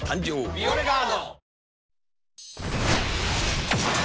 「ビオレガード」！